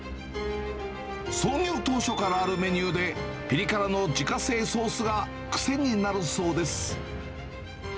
創業当初からあるメニューで、ぴり辛の自家製ソースが癖になるそうです。